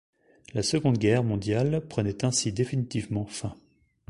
La Seconde Guerre mondiale prenait ainsi définitivement fin.